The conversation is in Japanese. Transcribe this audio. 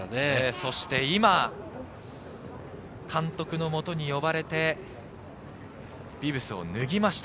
そして今、監督のもとに呼ばれてビブスを脱ぎました。